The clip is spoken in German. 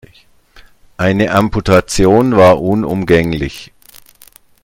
Eine Amputation war unumgänglich.